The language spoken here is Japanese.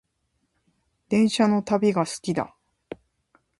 電車の旅が好きだ